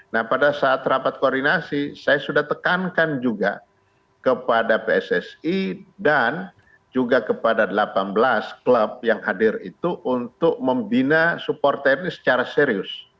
nah pada saat rapat koordinasi saya sudah tekankan juga kepada pssi dan juga kepada delapan belas klub yang hadir itu untuk membina supporter ini secara serius